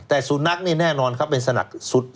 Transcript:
แต่สุนัขนี่แน่นอนเขาเป็นสนักสุด